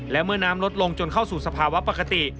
และเมื่อน้ำลดลงจนเข้าสู่สภาวะปกติ